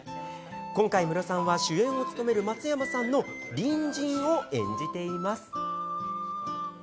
今回、ムロさんは、主演を務める松山さんの隣人を演じています。